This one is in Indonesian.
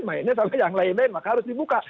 mainnya sama yang lain lain maka harus dibuka